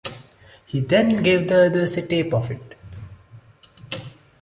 He then gave the others a tape of it.